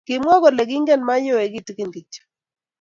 Kimwa kole kiingen mayowe kitigin kityo